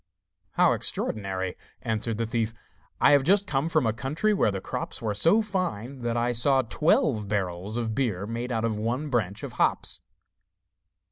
'How extraordinary!' answered the thief. 'I have just come from a country where the crops were so fine that I saw twelve barrels of beer made out of one branch of hops.